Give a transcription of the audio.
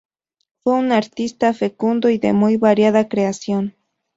Fue un artista fecundo y de muy variada creación.